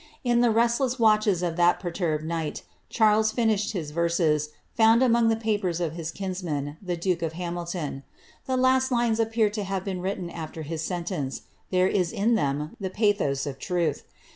In the restless watches of that perturbed night Charles finished his verses, found among the papers of his kinsman, th( duke of Hamilton.^ The last lines appear to have been written after hi sentence ; there is in them the pathos of truth.